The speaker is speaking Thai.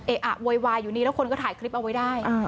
อะโวยวายอยู่นี้แล้วคนก็ถ่ายคลิปเอาไว้ได้